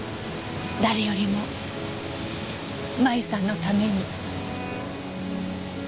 誰よりも麻由さんのために。